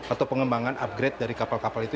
atau pengembangan upgrade dari kapal kapal itu